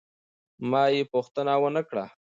ما یې پوښتنه ونه کړه.